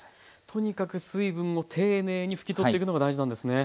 とにかく水分を丁寧に拭き取っていくのが大事なんですね。